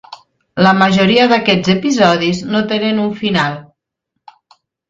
La majoria d'aquests episodis no tenen un final.